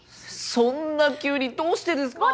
そんな急にどうしてですか？